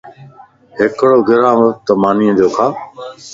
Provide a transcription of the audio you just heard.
ھڪڙو گراته مانيَ جو کا